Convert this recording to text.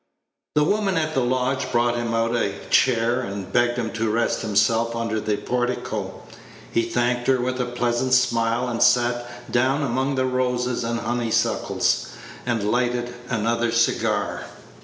The woman at the lodge brought him out a chair, and begged him to rest himself under the portico. He thanked her with a pleasant smile, and sat down among the roses and honeysuckles, and lighted another cigar.